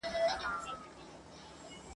د دوی د موقتي او لړزانه امنیت سره سره ..